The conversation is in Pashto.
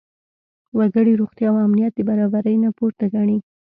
وګړي روغتیا او امنیت د برابرۍ نه پورته ګڼي.